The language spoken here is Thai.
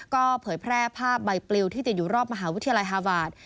ก็เผยแพร่ภาพใบปลิวที่ติดอยู่รอบมหาวิทยาลัยฮาวาส